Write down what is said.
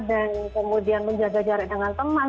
dan kemudian menjaga jarak dengan teman